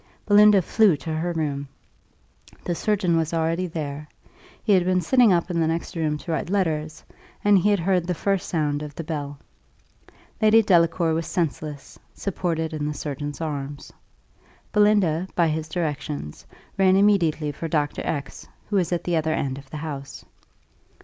Belinda flew to her room. The surgeon was already there; he had been sitting up in the next room to write letters, and he had heard the first sound of the bell. Lady Delacour was senseless, supported in the surgeon's arms. Belinda, by his directions, ran immediately for Doctor X , who was at the other end of the house.